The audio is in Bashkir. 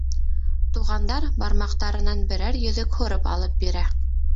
Туғандар бармаҡтарынан берәр йөҙөк һурып алып бирә.